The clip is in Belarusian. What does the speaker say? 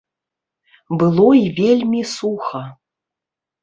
Было і вельмі суха.